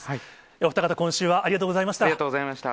お二方、今週はありがとうございました。